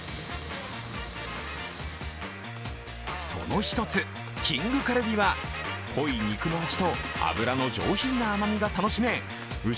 その一つ、きんぐカルビは濃い肉の味と脂の上品な甘みが楽しめ牛